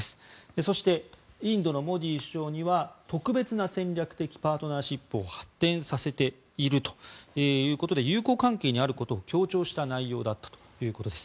そして、インドのモディ首相には特別な戦略的パートナーシップを発展させているということで友好関係にあることを強調した内容だったということです。